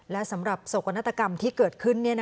และสำหรับโศกนาฏกรรมที่เกิดขึ้น